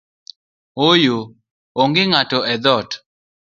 Ooyo, onge ng’ato edhoot